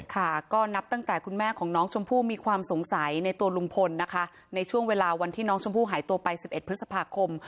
ค่ะก็นับตั้งแต่คุณแม่ของน้องชมพู่มีความสงสัยในตัวลุงพลนะคะในช่วงเวลาวันที่น้องชมพู่หายตัวไป๑๑พฤษภาคม